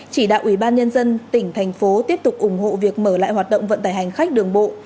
chỉ đạo ủy ban nhân dân tỉnh thành phố tiếp tục ủng hộ việc mở lại hoạt động vận tải hành khách đường bộ